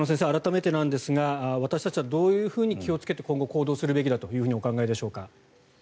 改めてなんですが私たちはどういうふうに気をつけて今後行動するべきだとお考えでしょうか。